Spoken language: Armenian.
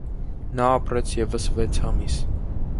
Նա ապրեց ևս վեց ամիս։